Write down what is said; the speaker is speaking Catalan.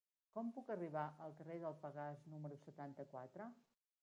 Com puc arribar al carrer del Pegàs número setanta-quatre?